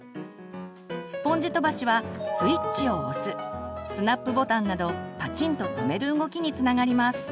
スポンジ飛ばしはスイッチを押すスナップボタンなどパチンと留める動きにつながります。